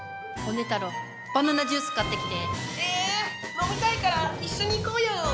飲みたいから一緒に行こうよ。